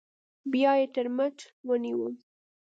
بيا يې تر مټ ونيوم.